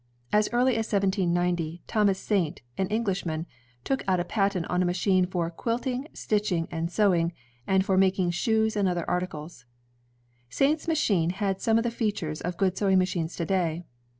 As early as 1790, Thomas Saint, an Englishman, took out a patent on a machine for "quilt ing, stitching, and sewing, and for making shoes, and other articles. ..." Saint's machine had some of the features of good sewing machines to day.